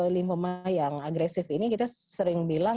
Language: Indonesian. lingkungan yang agresif ini kita sering bilang